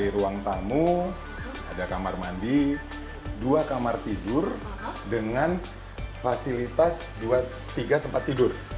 di ruang tamu ada kamar mandi dua kamar tidur dengan fasilitas tiga tempat tidur